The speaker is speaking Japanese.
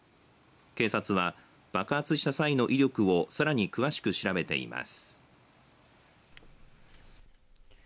警察は爆発した際の威力をさらに詳しく調べています。